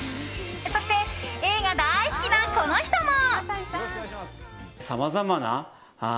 そして、映画大好きなこの人も。